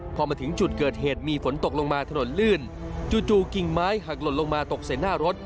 พอมาถึงจุดเกิดเหตุมีฝนตกลงมาถนนลื่นจู่กิ่งไม้หักหล่นลงมาตกใส่หน้ารถ